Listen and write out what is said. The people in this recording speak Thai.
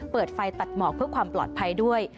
เปิดไฟตัดหมอกเพื่อความปลอดภัยด้วย